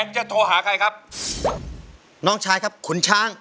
จะโทรหาใครครับน้องชายครับขุนช้าง